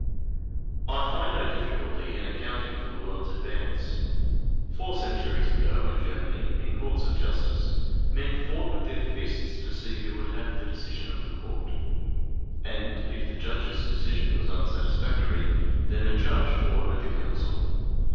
I find no difficulty in accounting for the world's advance. Four centuries ago, in Germany, in courts of justice, men fought with their fists to see who should have the decision of the court; and if the judge's decision was unsatisfactory, then the judge fought with the counsel.